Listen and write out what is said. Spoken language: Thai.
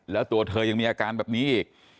แล้วตัวเธอยังมีอาการแบบนี้อีก